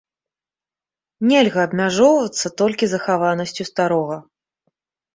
Нельга абмяжоўвацца толькі захаванасцю старога.